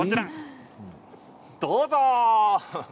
どうぞ。